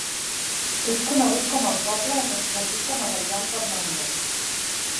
És conegut com el poble on es fabrica material per la neu.